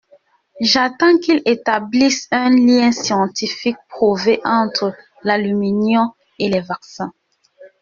J’attends qu’il établisse un lien scientifique prouvé entre l’aluminium et les vaccins.